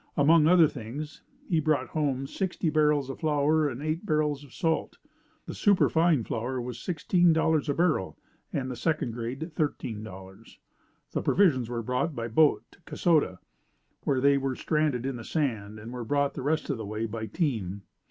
Among other things he brought home sixty barrels of flour and eight barrels of salt. The superfine flour was $16 a barrel and the second grade $13. The provisions were brought by boat to Kasota, where they were stranded in the sand and were brought the rest of the way by team.